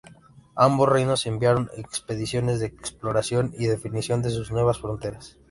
Ambos reinos enviaron expediciones de exploración y definición de sus nuevas fronteras.